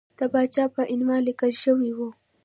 د پاچا په عنوان لیکل شوی وو.